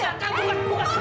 iya lihat aplikasi